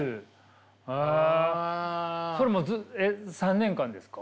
それは３年間ですか？